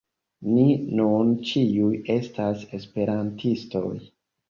Ni nun ĉiuj estas esperantistoj!